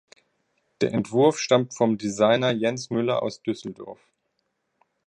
Der Entwurf stammt vom Designer Jens Müller aus Düsseldorf.